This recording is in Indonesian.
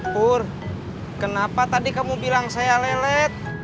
kur kenapa tadi kamu bilang saya lelet